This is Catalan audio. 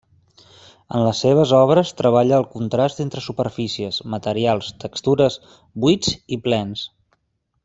En les seves obres treballa el contrast entre superfícies, materials, textures, buits i plens.